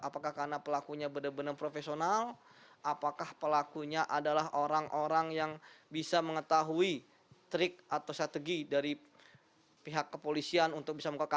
apakah karena pelakunya benar benar profesional apakah pelakunya adalah orang orang yang bisa mengetahui trik atau strategi dari pihak kepolisian untuk bisa melakukan